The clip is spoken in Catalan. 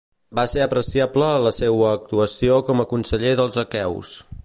Va ser apreciable la seua actuació com a conseller dels aqueus.